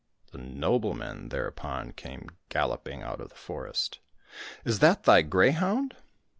The noblemen thereupon came galloping out of the forest. " Is that thy greyhound